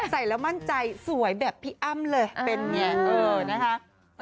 ใส่แล้วมั่นใจสวยแบบพี่อ้ำเลยเป็นไงเออนะคะ